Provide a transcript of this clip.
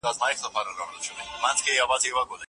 خلګو به د خپلو شتمنيو د سمې استفادې لاري زده کړې وي.